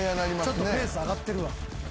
ちょっとペース上がってるわ。